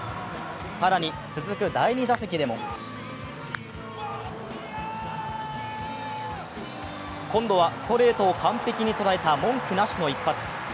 更に続く第２打席でも今度はストレートを完璧に捉えた文句なしの一発。